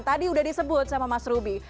tadi udah disebut sama mas ruby